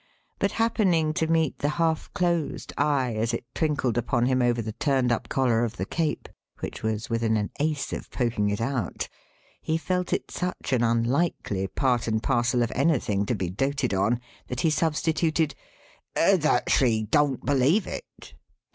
But happening to meet the half closed eye, as it twinkled upon him over the turned up collar of the cape, which was within an ace of poking it out, he felt it such an unlikely part and parcel of anything to be doted on, that he substituted, "that she don't believe it?"